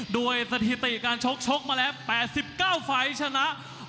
ด้วยสถิติการชกชกมาแล้ว๘๙ฝ่ายชนะ